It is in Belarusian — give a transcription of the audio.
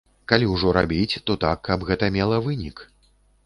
Калі ўжо рабіць, то так, каб гэта мела вынік.